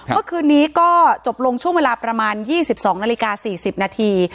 เมื่อคืนนี้ก็จบลงช่วงเวลาประมาณ๒๒นาฬิกา๔๐นาที